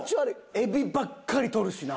エビばっかり取るしな。